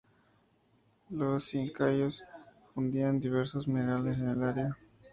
Los incaicos fundían diversos minerales en el área.